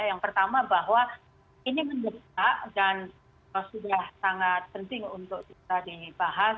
yang pertama bahwa ini mendesak dan sudah sangat penting untuk kita dibahas